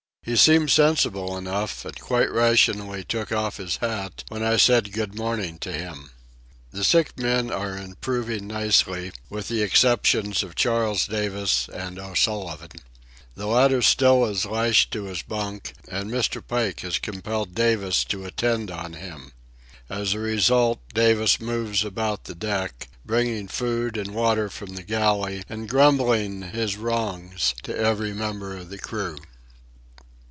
He seemed sensible enough, and quite rationally took off his hat when I said good morning to him. The sick men are improving nicely, with the exceptions of Charles Davis and O'Sullivan. The latter still is lashed to his bunk, and Mr. Pike has compelled Davis to attend on him. As a result, Davis moves about the deck, bringing food and water from the galley and grumbling his wrongs to every member of the crew.